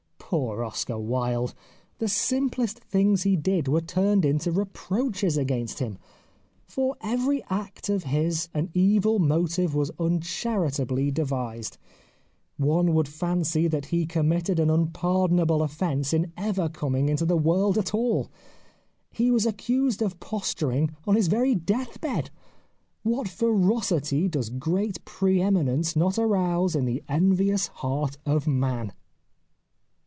Poor Oscar Wilde ! The simplest things he did were turned into reproaches against him. For every act of his an evil motive was uncharitably devised. 213 The Life of Oscar Wilde One would fancy that he committed an un pardonable offence in ever coming into the world at all. He was accused of posturing on his very death bed. What ferocity does great pre eminence not arouse in the envious heart of man